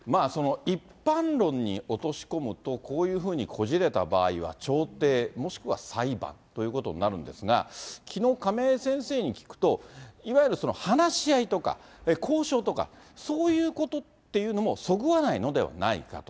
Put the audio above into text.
一般論に落とし込むと、こういうふうにこじれた場合は調停もしくは裁判ということになるんですが、きのう、亀井先生に聞くと、いわゆる話し合いとか、交渉とか、そういうことっていうのもそぐわないのではないかと。